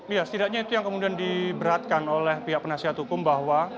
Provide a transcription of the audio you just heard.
ya setidaknya itu yang kemudian diberatkan oleh pihak penasihat hukum bahwa